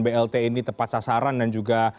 blt ini tepat sasaran dan juga